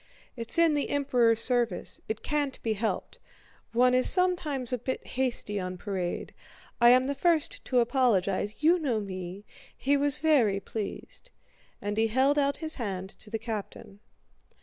"It's in the Emperor's service... it can't be helped... one is sometimes a bit hasty on parade... I am the first to apologize, you know me!... He was very pleased!" And he held out his hand to the captain.